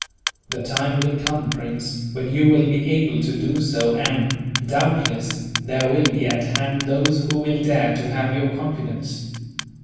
"The time will come, Prince, when you will be able to do so and, doubtless, there will be at hand those who will dare to have your confidence."